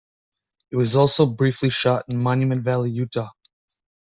It was also briefly shot in Monument Valley, Utah.